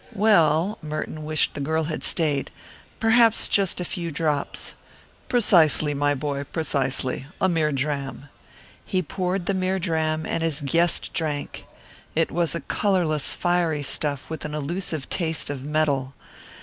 "Well" Merton wished the girl had stayed "perhaps just a few drops." "Precisely, my boy, precisely. A mere dram." He poured the mere dram and his guest drank. It was a colourless, fiery stuff with an elusive taste of metal.